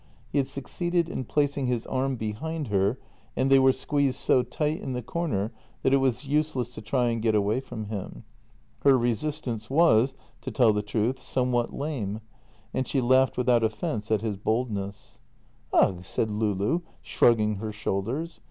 He had succeeded in placing his arm behind her and they were squeezed so tight in the corner that it was useless to try and get away from him. Her resistance was, to tell the truth, somewhat lame, and she laughed without of fence at his boldness. " Ugh! " said Loulou, shrugging her shoulders.